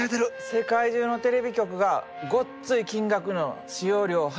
世界中のテレビ局がごっつい金額の使用料を払ったんやで。